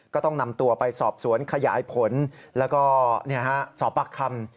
ก็ต้องนำตัวไปสอบสวนขยายผลแล้วก็สอบปากคำ